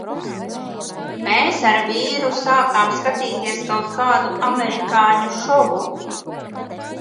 Mēs ar vīrus sākām skatīties kaut kādu amerikāņu šovu.